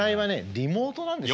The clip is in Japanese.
リモートなんですよ。